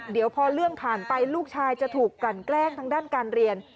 เดี๋ยวพอเรื่องผ่านไปลูกชายจะถูกกันแกล้งทางด้านการเรียน